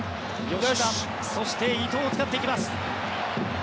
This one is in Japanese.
吉田、そして伊藤を使っていきます。